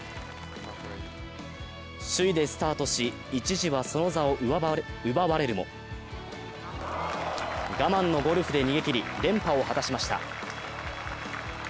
首位でスタートし、一時はその座を奪われるも我慢のゴルフで逃げ切り連覇を果たしました。